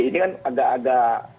ini kan agak agak